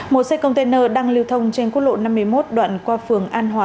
một xe container đang lưu thông trên quốc lộ năm mươi một đoạn qua phường an hòa